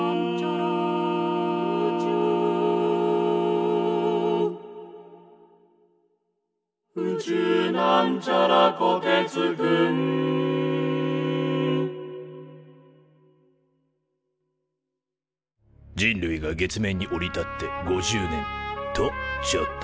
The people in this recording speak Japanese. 「宇宙」人類が月面に降り立って５０年！とちょっと。